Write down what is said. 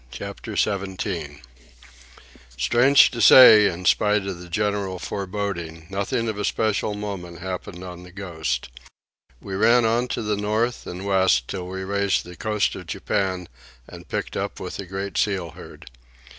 CHAPTER XVII Strange to say, in spite of the general foreboding, nothing of especial moment happened on the Ghost. We ran on to the north and west till we raised the coast of Japan and picked up with the great seal herd.